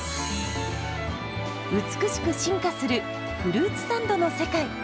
美しく進化するフルーツサンドの世界。